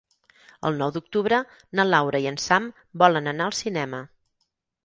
El nou d'octubre na Laura i en Sam volen anar al cinema.